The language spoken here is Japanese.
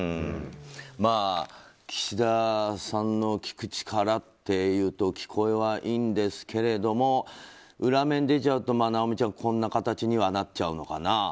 まあ、岸田さんの聞く力って言うと聞こえはいいんですけれども裏面出ちゃうと尚美ちゃんこんな形になっちゃうのかな。